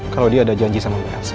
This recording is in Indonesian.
kalau dia ada janji sama mbak elsa